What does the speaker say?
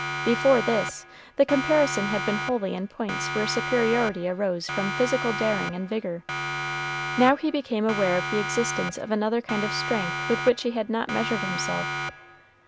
Before this, the comparison had been wholly in points where superiority arose from physical daring and vigor; now he became aware of the existence of another kind of strength with which he had not measured himself.